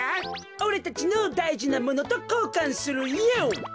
おれたちのだいじなものとこうかんするよ。